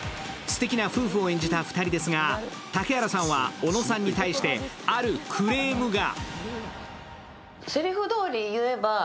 すてきな夫婦を演じた２人ですが竹原さんは尾野さんに対してあるクレームが。